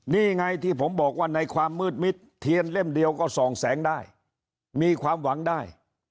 นี่ไงที่ผมบอกว่าในความมืดมิดเทียนเล่มเดียวก็ส่องแสงได้มีความหวังได้